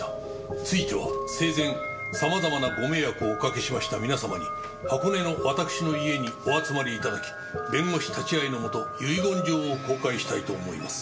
「ついては生前様々な御迷惑をおかけしました皆様に箱根の私の家にお集まり頂き弁護士立ち会いのもと遺言状を公開したいと思います」